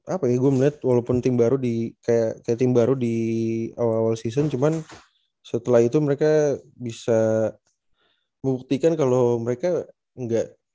apa ya gue melihat walaupun tim baru di awal season cuman setelah itu mereka bisa membuktikan kalau mereka enggak